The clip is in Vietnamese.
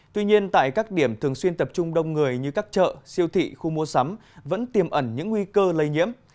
tuy nhiên tại các điểm thường xuyên tập trung đông người như các chợ siêu thị khu mua sắm vẫn tiềm ẩn những nguy cơ lây nhiễm